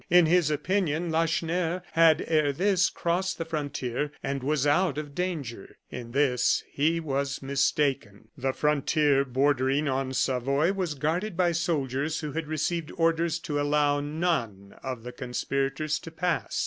In his opinion, Lacheneur had, ere this, crossed the frontier, and was out of danger. In this he was mistaken. The frontier bordering on Savoy was guarded by soldiers, who had received orders to allow none of the conspirators to pass.